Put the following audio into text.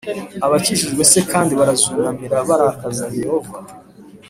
abakikije c kandi barazunamira barakaza Yehova